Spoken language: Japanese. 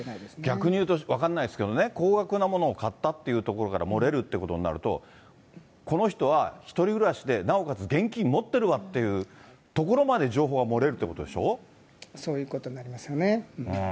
逆に言うと、分からないですけど、高額なものを買ったっていうところから漏れるっていうことになると、この人は、１人暮らしで、なおかつ現金持ってるわっていうところまで情報が漏れるっていうそういうことになりますね。